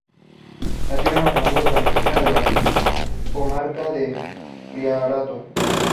Nació en una familia campesina de la comarca del Priorato.